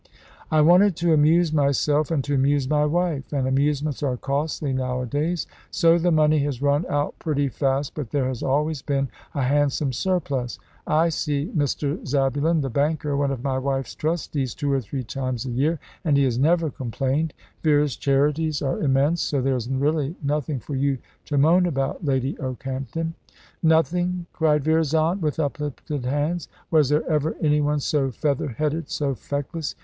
"I wanted to amuse myself and to amuse my wife, and amusements are costly nowadays; so the money has run out pretty fast, but there has always been a handsome surplus. I see Mr. Zabulon, the banker, one of my wife's trustees, two or three times a year, and he has never complained. Vera's charities are immense; so there is really nothing for you to moan about, Lady Okehampton." "Nothing," cried Vera's aunt, with uplifted hands. "Was there ever anyone so feather headed, so feckless?